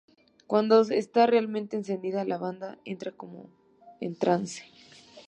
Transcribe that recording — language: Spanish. Cuando esta realmente encendida, la banda entra como en trance.